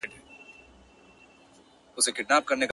o دوست به دي وژړوي، دښمن به دي و خندوي.